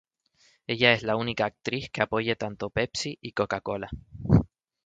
Ella es la única actriz que apoye tanto Pepsi y Coca-Cola.